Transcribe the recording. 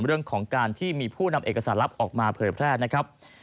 เรื่องของการที่มีผู้นำเอกสารลับออกมาเผยแพร่นะครับ